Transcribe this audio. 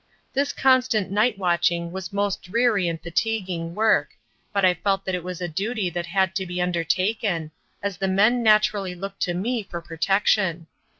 This constant night watching was most dreary and fatiguing work, but I felt that it was a duty that had to be undertaken, as the men naturally looked to me for protection.